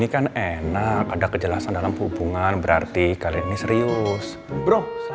kakak seneng banget bener ya